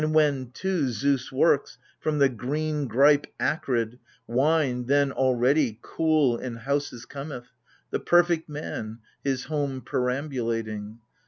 And when, too, Zeus works, from the green gr.ipe acrid, Wine — then, already, cool in houses cometh — The perfect man his home perambulating